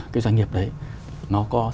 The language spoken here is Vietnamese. cái doanh nghiệp đấy nó có